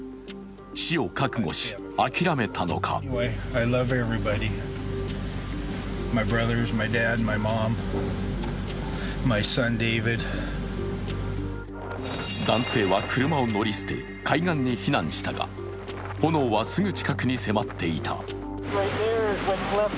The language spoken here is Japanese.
死を覚悟し諦めたのか男性は車を乗り捨て海岸に避難したが、炎はすぐ近くに迫っていた。